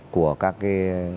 của các cái